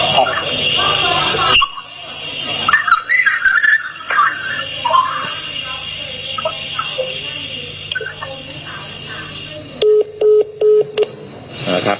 ขอบคุณครับ